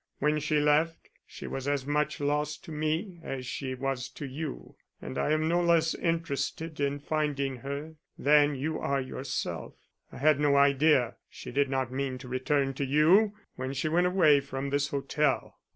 When she left, she was as much lost to me as she was to you, and I am no less interested in finding her than you are yourself. I had no idea she did not mean to return to you when she went away from this hotel."